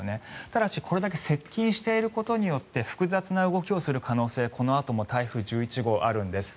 ただしこれだけ接近していることによって複雑な動きをする可能性このあとも台風１１号、あるんです。